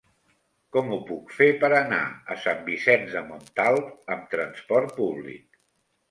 Com ho puc fer per anar a Sant Vicenç de Montalt amb trasport públic?